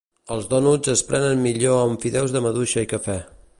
Els dònuts es prenen millor amb fideus de maduixa i cafè.